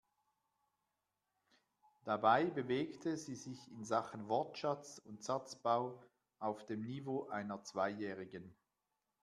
Dabei bewegte sie sich in Sachen Wortschatz und Satzbau auf dem Niveau einer Zweijährigen.